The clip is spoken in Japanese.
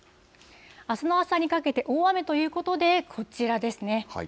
あすの朝にかけて、大雨ということで、こちらですね。